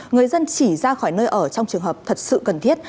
người dân chỉ ra khỏi nơi ở trong trường hợp thật sự cần thiết